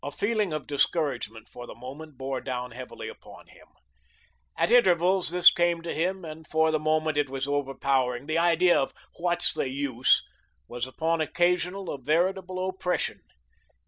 A feeling of discouragement for the moment bore down heavily upon him. At intervals this came to him and for the moment it was overpowering. The idea of "what's the use" was upon occasion a veritable oppression.